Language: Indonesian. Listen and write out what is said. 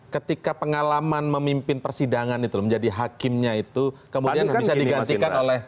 ketika pengalaman memimpin persidangan itu menjadi hakimnya itu kemudian bisa digantikan oleh